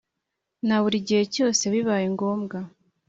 Na buri gihe cyose bibaye ngombwa